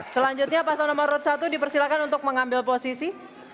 selanjutnya pasangan nomor satu dipersilakan untuk mengambil posisi